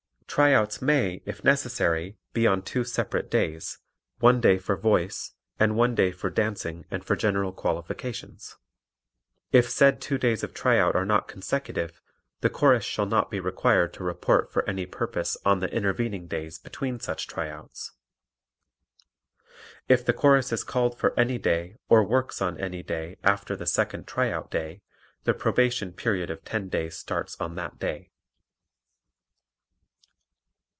Tryouts may, if necessary, be on two separate days, one day for voice, and one day for dancing and for general qualifications. If said two days of tryout are not consecutive, the Chorus shall not be required to report for any purpose on the intervening days between such tryouts. If the Chorus is called for any day, or works on any day, after the second tryout day, the probation period of ten days starts on that day.